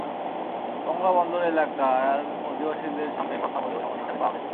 মংলা বন্দর এলাকার অধিবাসীদের সঙ্গে কথা বলেও এমন হিসাবই পাওয়া গেছে।